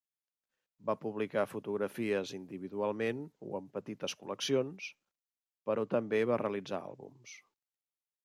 Va publicar fotografies individualment o en petites col·leccions, però també va realitzar àlbums.